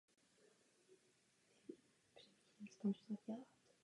Jeho oblíbený styl tance byl break.